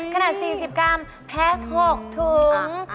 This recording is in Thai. ขนาด๔๐กรัมแพ็ค๖ถุง